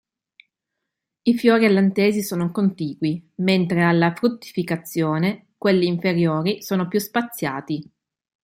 I fiori all'antesi sono contigui, mentre alla fruttificazione quelli inferiori sono più spaziati.